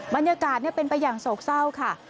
บรรยากาศเป็นไปอย่างโศกเศร้าค่ะ